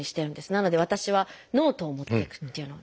なので私はノートを持っていくっていうのを。